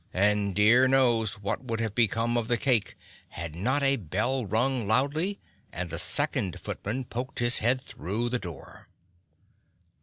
And dear knows what would have become of the cake had not a bell rung loudly and the second footman poked his head through the door.